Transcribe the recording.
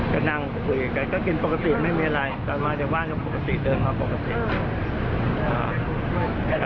ก็นั่งกุยกันก็กินปกติไม่มีอะไรมาจะว่านก็ปกติเติมมาปกติอือ